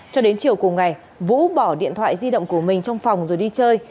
cho đến chiều cùng ngày vũ bỏ điện thoại di động của mình trong phòng rồi đi chơi